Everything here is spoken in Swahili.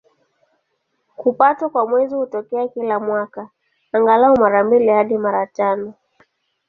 Kupatwa kwa Mwezi hutokea kila mwaka, angalau mara mbili hadi mara tano.